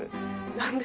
何で？